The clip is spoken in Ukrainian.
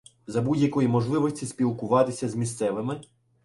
За будь-якої можливості спілкуватися з місцевими